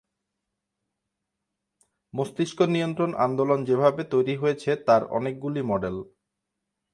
মস্তিষ্ক নিয়ন্ত্রণ আন্দোলন যেভাবে তৈরি হয়েছে তার অনেকগুলি মডেল।